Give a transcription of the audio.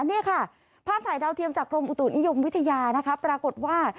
นี่ค่ะภาพถ่ายดาวเทียมจากกรมอุตุนิยมวิทยานะคะปรากฏว่า